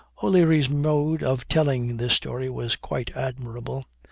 "O'Leary's mode of telling this story was quite admirable.